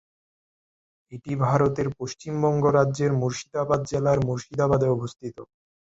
এটি ভারতের পশ্চিমবঙ্গ রাজ্যের মুর্শিদাবাদ জেলার মুর্শিদাবাদে অবস্থিত।